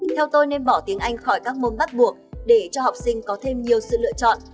theo tôi nên bỏ tiếng anh khỏi các môn bắt buộc để cho học sinh có thêm nhiều sự lựa chọn